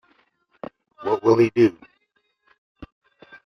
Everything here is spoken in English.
What will he do?